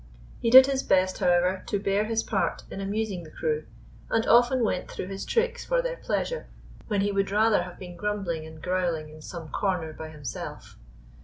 He did his best, however, to bear his part in amusing the crew, and often went through his tricks for their pleas ure when he would rather have been grumbling and growling in some corner by himself.